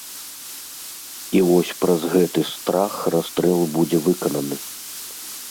І вось праз гэты страх расстрэл будзе выкананы.